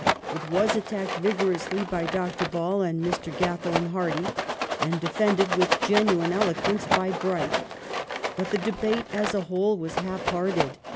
It was attacked vigorously by Dr. Ball and Mr. Gathorne Hardy and defended with genuine eloquence by Bright ; but, the debate as a whole, was half hearted.